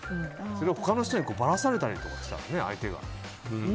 それを他の人にばらされたりとかしたらね。